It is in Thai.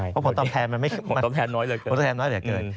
เพราะผลตอบแทนน้อยเหลือเกิน